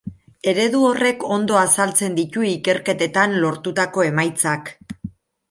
Eredu horrek ondo azaltzen ditu ikerketetan lortutako emaitzak.